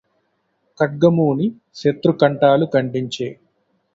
ఖడ్గమూని శతృకంఠాలు ఖండించె